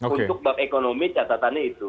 untuk bab ekonomi catatannya itu